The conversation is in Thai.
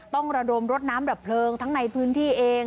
ต้องระดมรถน้ำดับเพลิงทั้งในพื้นที่เอง